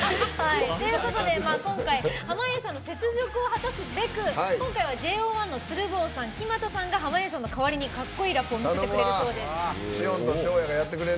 今回、濱家さんの雪辱を果たすべく今回はＪＯ１の鶴房さん木全さんが濱家さんの代わりにかっこいいラップを見せてくれるそうです。